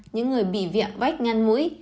những người bị việm vách ngăn mũi